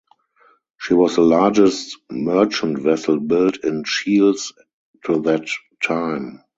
She was the largest merchant vessel built in Shields to that time.